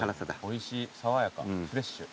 おいしい爽やかフレッシュ。